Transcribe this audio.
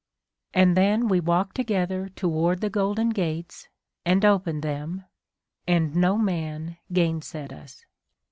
And then we walked together toward the golden gates, and opened them, and no man gainsaid us.